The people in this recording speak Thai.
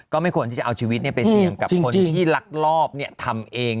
ก็ไม่ควรที่จะเอาชีวิตไปเสี่ยงกับคนที่ลักลอบทำเอง